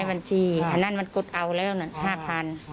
อันนั้นมันกดเอาแล้ว๕๐๐๐บาท